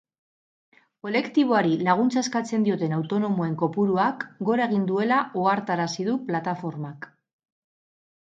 Kolektiboari laguntza eskatzen dioten autonomoen kopuruak gora egin duela ohartarazi du plataformak.